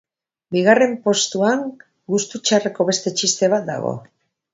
Bigarren postuan gustu txarreko beste txiste bat dago.